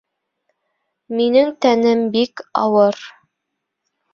Минең тәнем бик ауыр.